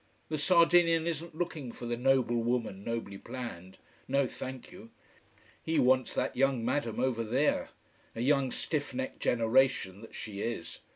The Sardinian isn't looking for the "noble woman nobly planned." No, thank you. He wants that young madam over there, a young stiff necked generation that she is.